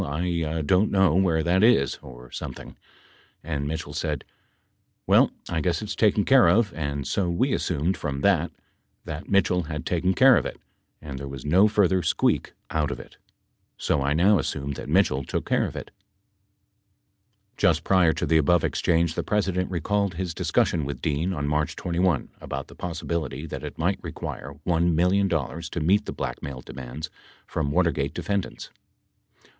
I don't know where that is or something," and Mitchell said, "Well I guess it's taken care of." And so we assumed from that that Mitchell had taken care of it, and there was no further squeak out of it so I now assume that Mitchell took care of it. [Emphasis added.] [pp. 1035 36] Just prior to the above exchange, the President recalled his dis cussion with Dean on March 21 about the possibility that it might require $1 million to meet the blackmail demands from Watergate defendants.